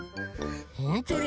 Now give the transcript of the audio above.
ほんとに？